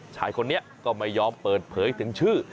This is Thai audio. ชายคนนี้ก็ไม่ยอมเปิดเผยถึงชื่อ